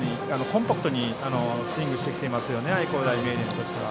コンパクトにスイングをしてきていますね愛工大名電は。